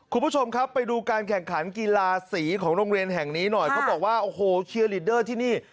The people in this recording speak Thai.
คุณผู้ชมครับไปดูการแข่งขันกีฬาสีของโรงเรียนแห่งนี้หน่อยเขาบอกว่าโอ้โหเชียร์ลีดเดอร์ที่นี่